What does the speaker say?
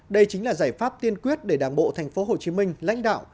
đây chính là giải pháp tiên quyết để đảng bộ thành phố hồ chí minh lãnh đạo